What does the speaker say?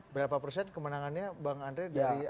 berapa persen kemenangannya bang andre dari